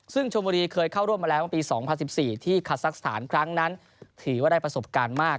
ซึ่งชมบุรีเคยเข้าร่วมมาแล้วปี๒๐๑๔ที่คาซักสถานครั้งนั้นถือว่าได้ประสบการณ์มาก